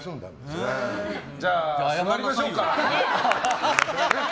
じゃあ、座りましょうか。